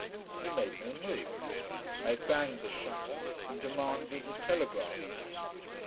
He made no move. I banged the shutter and demanded a telegraph blank.